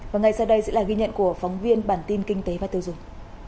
và ngay sau đây sẽ là ghi nhận của phóng viên bản tin kinh tế và tiêu dùng